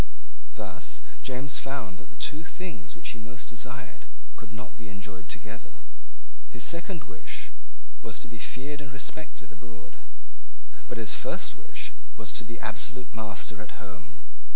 Thus James found that the two things which he most desired could not be enjoyed together. His second wish was to be feared and respected abroad. But his first wish was to be absolute master at home.